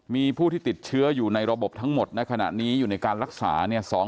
มีผู้ที่ติดเชื้ออยู่ในระบบทั้งหมดในขณะนี้อยู่ในการรักษาเนี่ย